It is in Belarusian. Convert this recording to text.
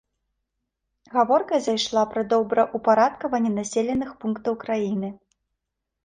Гаворка зайшла пра добраўпарадкаванне населеных пунктаў краіны.